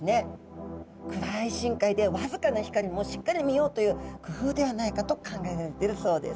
暗い深海で僅かな光もしっかり見ようという工夫ではないかと考えられているそうです。